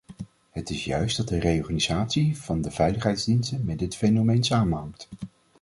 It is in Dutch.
Het is juist dat de reorganisatie van de veiligheidsdiensten met dit fenomeen samenhangt.